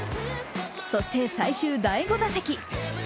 そして最終、第５打席。